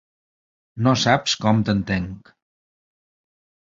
No saps com t'entenc.